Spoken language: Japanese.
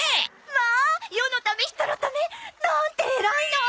まあ世のため人のため！なんて偉いの！